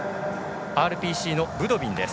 ＲＰＣのブドビンです。